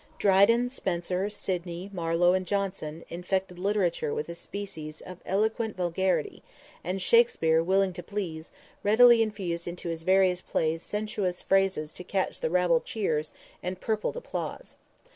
Dryden, Spenser, Sidney, Marlowe and Jonson infected literature with a species of eloquent vulgarity, and Shakspere, willing to please, readily infused into his various plays sensuous phrases to catch the rabble cheers and purpled applause.